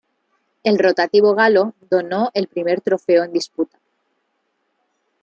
El rotativo galo donó el primer trofeo en disputa.